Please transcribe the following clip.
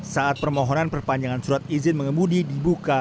saat permohonan perpanjangan surat izin mengemudi dibuka